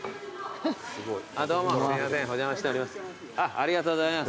ありがとうございます。